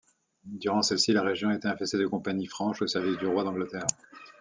Durant celle-ci, la région était infestée de compagnies franches au service du roi d'Angleterre.